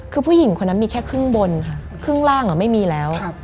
คือผู้หญิงคนนั้นมีแค่ครึ่งบนค่ะครึ่งล่างไม่มีแล้ว